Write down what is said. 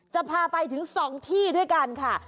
จะพาไปถึง๒ที่ด้วยกันค่ะ